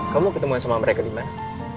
kamu ketemuan sama mereka dimana